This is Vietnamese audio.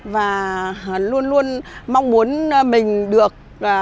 và luôn luôn mong muốn mình được